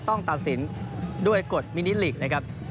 ต้องตัดสินด้วยกฎมินิลิกนะครับ